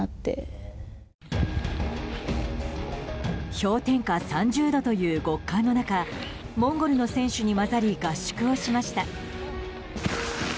氷点下３０度という極寒の中モンゴルの選手に混ざり合宿をしました。